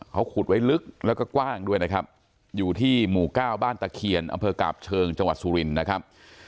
เขาขุดไว้ลึกแล้วก็กว้างด้วยนะครับอยู่ที่หมู่เก้าบ้านตะเคียนอำเภอกาบเชิงจังหวัดสุรินนะครับ